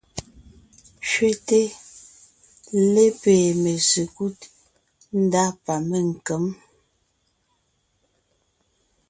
Kẅéte lépée mésekúd ndá pa ménkěm.